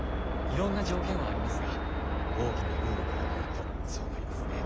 いろんな条件はありますが大きなルールから言うとそうなりますね。